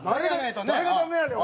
「誰がダメやねん！